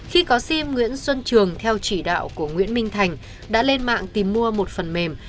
khi có sim nguyễn xuân trường theo chỉ đạo của nguyễn minh thành đã lên mạng tìm mua một phần mềm